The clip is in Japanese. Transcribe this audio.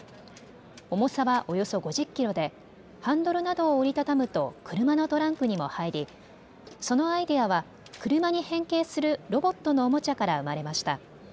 重さはおよそ５０キロでハンドルなどを折り畳むと車のトランクにも入り、そのアイデアは車に変形するロボットのおもちゃから生まれました。